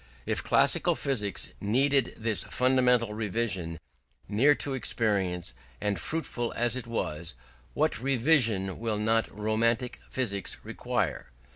If classical physics needed this fundamental revision, near to experience and fruitful as it was, what revision will not romantic physics require?